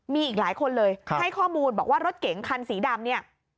มีอีกหลายคนเลยให้ข้อมูลบอกว่ารถเก๋งคันสีดำเนี่ย